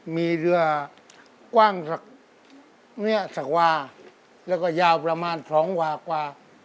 มีเรือกว้างสักวาแล้วก็ยาวประมาณ๒หว่ากว่า